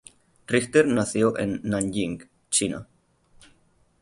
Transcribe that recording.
Richter nació en Nanjing, China.